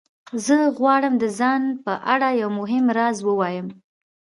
زه غواړم د خپل ځان په اړه یو مهم راز ووایم